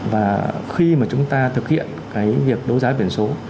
và khi mà chúng ta thực hiện cái việc đấu giá biển số